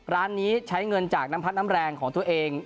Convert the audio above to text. ร้านนี้ใช้เงินจากน้ำพัดน้ำแรงของตัวเอง